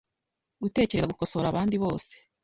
gutekereza gukosora abandi bose?